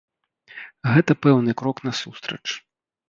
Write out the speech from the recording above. Гэта пэўны крок насустрач.